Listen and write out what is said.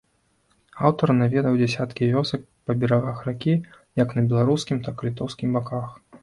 Аўтар наведаў дзясяткі вёсак па берагах ракі як на беларускім, так і літоўскім баках.